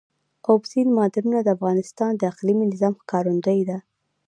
اوبزین معدنونه د افغانستان د اقلیمي نظام ښکارندوی ده.